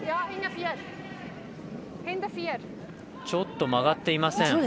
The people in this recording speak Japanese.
ちょっと曲がっていません。